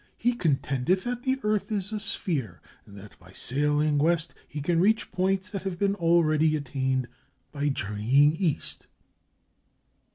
He contendeth that the earth is a sphere, and that, by sailing west, he can reach points that have been already attained by journeying east."